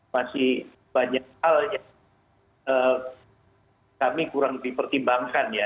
masih banyak hal yang kami kurang dipertimbangkan ya